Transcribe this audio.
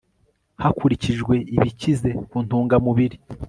hakurikijwe ibikize ku ntungamubiri